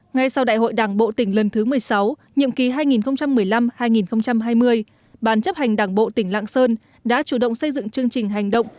ngay sau đại hội đảng bộ tỉnh lần thứ một mươi sáu nhiệm kỳ hai nghìn một mươi năm hai nghìn hai mươi bàn chấp hành đảng bộ tỉnh lạng sơn đã chủ động xây dựng chương trình hành động